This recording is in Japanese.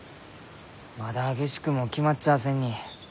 まだ下宿も決まっちゃあせんに。